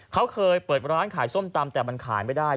เขาเคยเปิดร้านขายส้มตำแต่มันขายไม่ได้